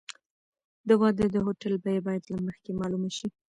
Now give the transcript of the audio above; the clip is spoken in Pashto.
د واده د هوټل بیه باید له مخکې معلومه شي.